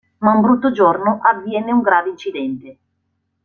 Ma un brutto giorno avviene un grave incidente.